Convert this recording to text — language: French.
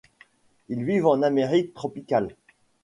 Ils vivent en Amérique tropicale.